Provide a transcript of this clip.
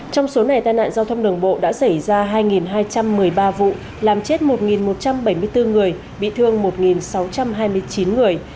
trong số này tai nạn giao thông đường bộ đã xảy ra hai hai trăm một mươi ba vụ làm chết một một trăm bảy mươi bốn người bị thương một sáu trăm hai mươi chín người